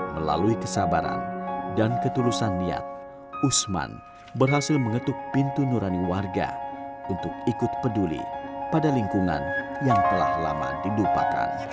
melalui kesabaran dan ketulusan niat usman berhasil mengetuk pintu nurani warga untuk ikut peduli pada lingkungan yang telah lama dilupakan